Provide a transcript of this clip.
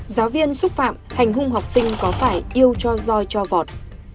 giáo viên xúc phạm hành hung học sinh có phải yêu cho roi cho vọt